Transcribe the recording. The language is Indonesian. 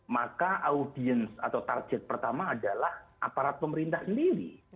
maka audience atau target pertama adalah aparat pemerintah sendiri